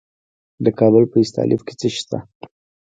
د کابل په استالف کې څه شی شته؟